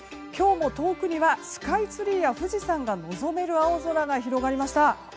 今日も遠くには、スカイツリーや富士山が望める青空が広がりました。